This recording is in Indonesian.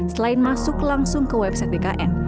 selain masuk langsung ke website bkn